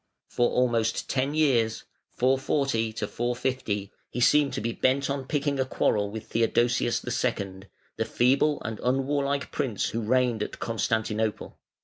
For almost ten years (440 450) he seemed to be bent on picking a quarrel with Theodosius II., the feeble and unwarlike prince who reigned at Constantinople.